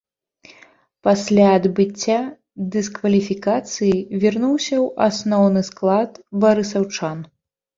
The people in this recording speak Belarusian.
Пасля адбыцця дыскваліфікацыі вярнуўся ў асноўны склад барысаўчан.